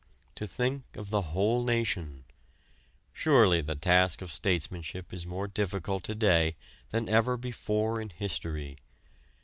To think of the whole nation: surely the task of statesmanship is more difficult to day than ever before in history.